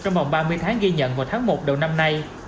trong vòng ba mươi tháng ghi nhận vào tháng một đầu năm nay